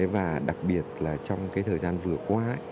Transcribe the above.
và đặc biệt là trong cái thời gian vừa qua